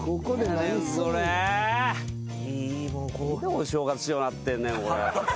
何でお正月仕様になってんねんこれ。